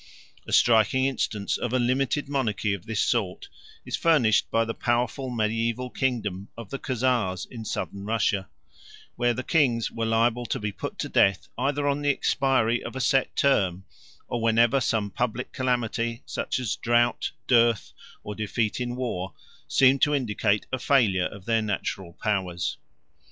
A striking instance of a limited monarchy of this sort is furnished by the powerful mediaeval kingdom of the Khazars in Southern Russia, where the kings were liable to be put to death either on the expiry of a set term or whenever some public calamity, such as drought, dearth, or defeat in war, seemed to indicate a failure of their natural powers.